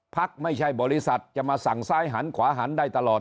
ไม่ใช่บริษัทจะมาสั่งซ้ายหันขวาหันได้ตลอด